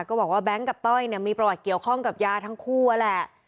บอกว่าแบงค์กับต้อยเนี่ยมีประวัติเกี่ยวข้องกับยาทั้งคู่นั่นแหละ